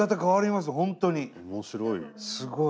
面白い。